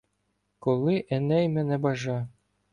Коли Еней мене бажа